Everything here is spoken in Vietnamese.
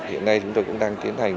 hiện nay chúng tôi cũng đang tiến hành